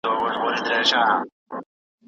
زده کړه د پرمختیایی هیوادونو لپاره کلیدي ده.